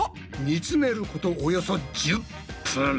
煮詰めることおよそ１０分。